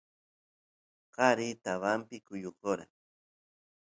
qari tabapi kuyukora